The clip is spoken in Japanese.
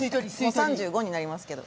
もう３５になりますけど。